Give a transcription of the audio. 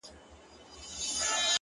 o ته يې بد ايسې ـ